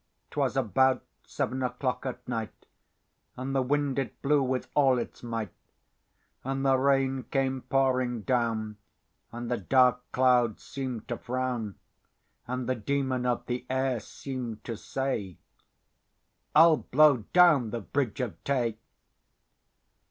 'Twas about seven o'clock at night, And the wind it blew with all its might, And the rain came pouring down, And the dark clouds seem'd to frown, And the Demon of the air seem'd to say "I'll blow down the Bridge of Tay."